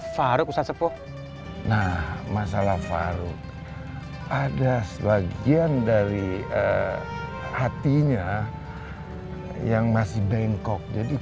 farouk ustadz seppo nah masalah farouk ada sebagian dari hatinya yang masih bengkok jadi